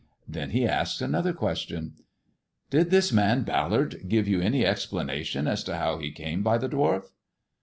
Then he asked another question. " Did this man Ballard give you any explanation as to how he came by the dwarf?"